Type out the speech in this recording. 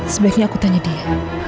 sebaiknya aku tanya dia